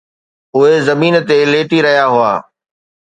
اهي زمين تي ليٽي رهيا هئا.